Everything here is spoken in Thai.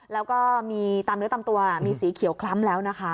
แล้วก็มีตามเนื้อตามตัวมีสีเขียวคล้ำแล้วนะคะ